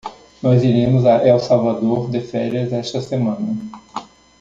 Nós iremos a El Salvador de férias esta semana.